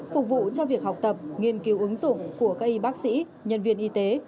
phục vụ cho việc học tập nghiên cứu ứng dụng của các y bác sĩ nhân viên y tế